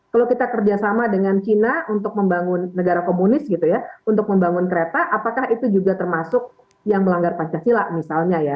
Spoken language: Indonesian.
kalau kita kerjasama dengan china untuk membangun negara komunis gitu ya untuk membangun kereta apakah itu juga termasuk yang melanggar pancasila misalnya ya